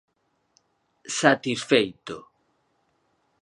Satisfeito.